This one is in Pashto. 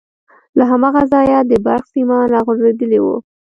له هماغه ځايه د برق سيمان راغځېدلي وو.